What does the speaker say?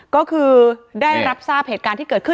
ก็คือได้รับทราบเหตุการณ์ที่เกิดขึ้น